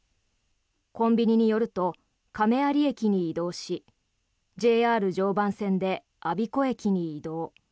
コンビニに寄ると亀有駅に移動しＪＲ常磐線で我孫子駅に移動。